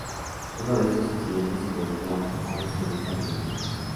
Uno de estos incidentes involucró a un extremista religioso.